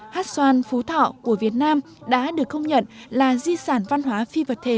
hát xoan phú thọ của việt nam đã được công nhận là di sản văn hóa phi vật thể